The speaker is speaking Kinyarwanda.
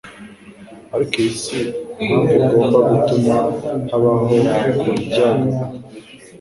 Ariko iyi si impamvu igomba gutuma habaho kuryagagura.